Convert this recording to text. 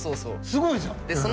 すごいじゃん。